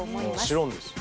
もちろんです。